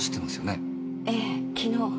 ええ昨日。